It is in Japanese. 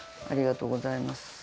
ありがとうございます。